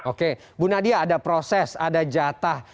oke bu nadia ada proses ada jatah